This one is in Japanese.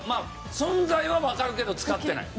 存在はわかるけど使ってない？